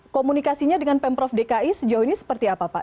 komunikasinya dengan pemprov dki sejauh ini seperti apa pak